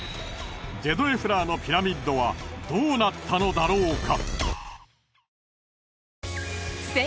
ジェドエフラーのピラミッドはどうなったのだろうか。